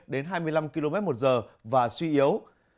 đến hai mươi năm km một giờ và suy yếu